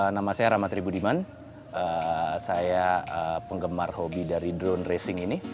nama saya ramadri budiman saya penggemar hobi dari drone racing ini